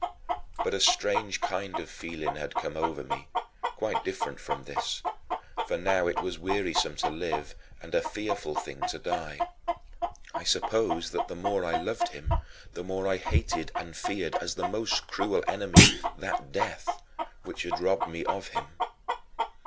But a strange kind of feeling had come over me, quite different from this, for now it was wearisome to live and a fearful thing to die. I suppose that the more I loved him the more I hated and feared, as the most cruel enemy, that death which had robbed me of him.